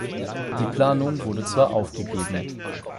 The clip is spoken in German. Die Planung wurde zwar aufgegeben.